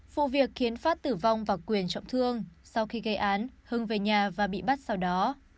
vụ việc khiến phát tử vong và quyền trọng thương sau khi gây án hưng về nhà và bị bắt sau đó